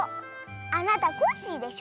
あなたコッシーでしょ。